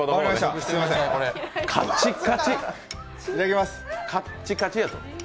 いただきます。